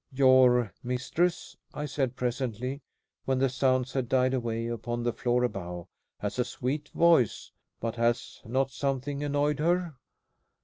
"Your mistress," I said presently, when the sounds had died away upon the floor above, "has a sweet voice; but has not something annoyed her?